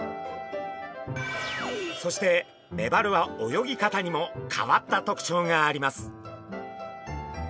そしてメバルは泳ぎ方にも変わった特徴があります。